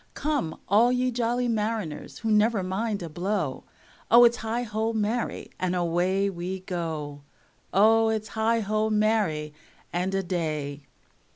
Come all ye jolly mariners who never mind a blow, O, its heigho, marry, and away we go. O, its heigho, marry, and a day!